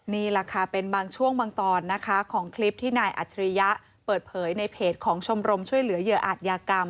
นี่แหละค่ะเป็นบางช่วงบางตอนนะคะของคลิปที่นายอัจฉริยะเปิดเผยในเพจของชมรมช่วยเหลือเหยื่ออาจยากรรม